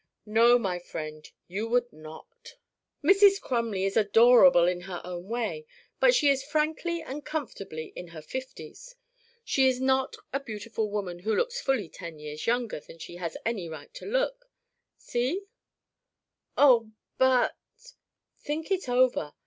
"No, my friend, you would not. Mrs. Crumley is adorable in her own way, but she is frankly and comfortably in her fifties. She is not a beautiful woman who looks fully ten years younger than she has any right to look. See?" "Oh but " "Think it over.